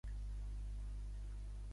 Em dic Noè Roch: erra, o, ce, hac.